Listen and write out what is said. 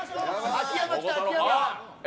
秋山来た、秋山。